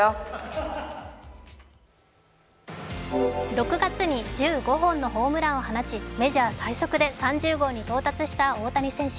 ６月に１５本のホームランを放ち、メジャー最速で３０号に到達した大谷選手。